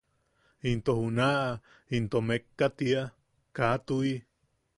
Into junaʼa into mekka tiia –Kaa tuʼi.